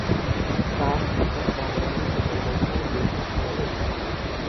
তার পিতা বাঙালি এবং মাতা ব্রিটিশ নাগরিক।